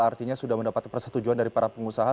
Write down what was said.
artinya sudah mendapat persetujuan dari para pengusaha